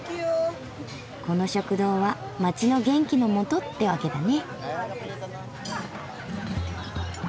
この食堂は街の元気の素ってわけだね。